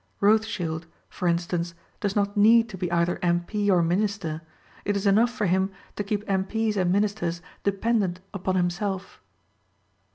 Rothschild, for instance, does not need to be either M.P. or minister, it is enough for him to keep M.P.'s and ministers dependent upon himself.